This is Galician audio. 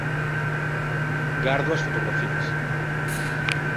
gardo as fotografías